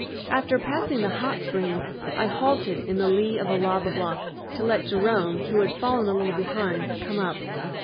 After passing the "Hot Springs" I halted in the lee of a lava block to let Jerome, who had fallen a little behind, come up.